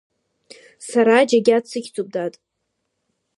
Сара Џьгьаҭ сыхьӡуп, дад!